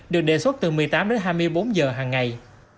được đề xuất từ một mươi tám đến hai mươi bốn giờ hằng ngày